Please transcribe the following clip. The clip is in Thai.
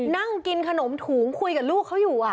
นั่งกินขนมถุงคุยกับลูกเขาอยู่